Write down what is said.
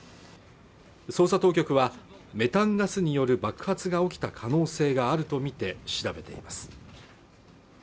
捜査当局はメタンガスによる爆発が起きた可能性があるとみて調べています